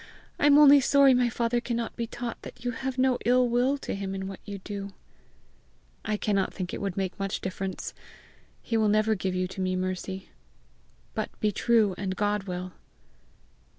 I am only sorry my father cannot be taught that you have no ill will to him in what you do." "I cannot think it would make much difference. He will never give you to me, Mercy. But be true, and God will."